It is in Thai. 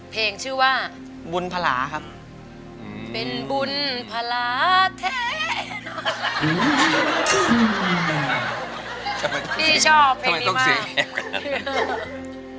เพลงชื่อว่าบุญพลาครับอืมเป็นบุญพลาเท่พี่ชอบเพลงนี้มากทำไมต้องเสียแอบกัน